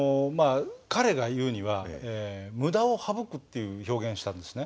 彼が言うには「無駄を省く」という表現したんですね。